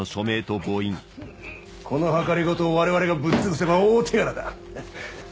このはかりごとを我々がぶっつぶせば大手柄だ。